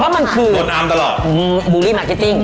บริการโดนอำตลอด